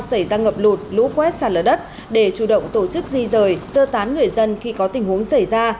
xảy ra ngập lụt lũ quét sạt lở đất để chủ động tổ chức di rời sơ tán người dân khi có tình huống xảy ra